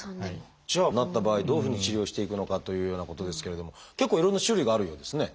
じゃあなった場合どういうふうに治療していくのかというようなことですけれども結構いろんな種類があるようですね。